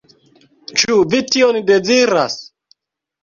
Ĉu vi tion deziras?